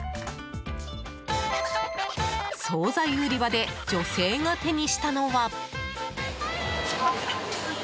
総菜売り場で女性が手にしたのは。